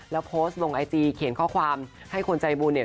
แล้วโพสต์ลงไอจีเขียนข้อความให้คนใจบุญเนี่ย